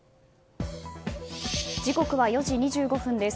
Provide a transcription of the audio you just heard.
時刻は４時２５分です